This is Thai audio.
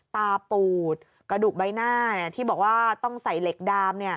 ตาปูดกระดูกใบหน้าที่บอกว่าต้องใส่เหล็กดาม